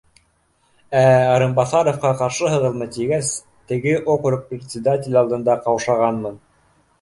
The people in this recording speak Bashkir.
Ә, Арынбаҫаровҡа ҡаршыһығыҙмы, тигәс, теге округ председателе алдында ҡаушағанмын